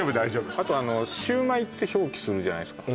あとあの「シウマイ」って表記するじゃないですか